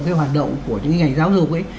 cái hoạt động của những ngành giáo dục ấy